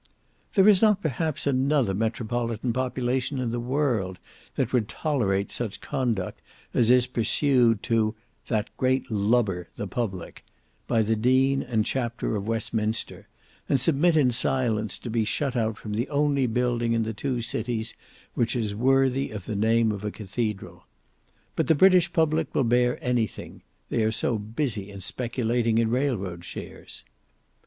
There is not perhaps another metropolitan population in the world that would tolerate such conduct as is pursued to "that great lubber, the public" by the Dean and Chapter of Westminster, and submit in silence to be shut out from the only building in the two cities which is worthy of the name of a cathedral. But the British public will bear anything; they are so busy in speculating in railroad shares.